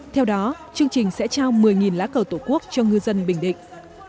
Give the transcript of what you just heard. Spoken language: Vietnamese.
theo đó chương trình sẽ trao một mươi lá cờ tổ quốc cho ngư dân bình định